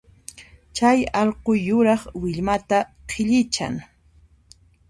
Chay allqu yuraq willmata qhillichan